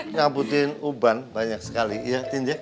nyambutin uban banyak sekali iya tindya